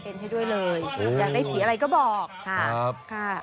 เป็นให้ด้วยเลยอยากได้สีอะไรก็บอกครับ